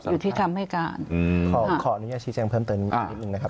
อยู่ที่คำให้การอืมขอขออนุญาชีแจ้งเพิ่มเติมนิดหนึ่งนะครับ